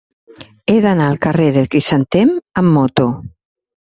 He d'anar al carrer del Crisantem amb moto.